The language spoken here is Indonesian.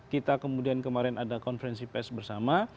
kita kemudian kemarin ada konferensi pes bersama